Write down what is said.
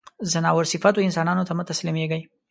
ځناور صفتو انسانانو ته مه تسلیمېږی.